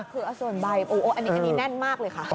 คือส่วนใบอันนี้แน่นมากเลยค่ะ